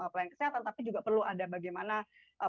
pelayanan kesehatan tapi juga perlu ada bagaimana